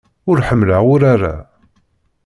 Ur ḥemmleɣ urar-a.